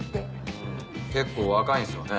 うん結構若いんですよね。